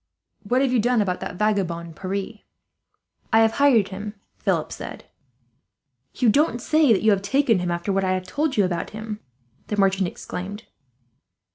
"What have you done about that vagabond Pierre?" "I have hired him," Philip said. "You don't say that you have taken him, after what I have told you about him!" the merchant exclaimed.